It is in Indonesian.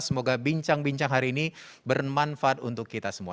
semoga bincang bincang hari ini bermanfaat untuk kita semua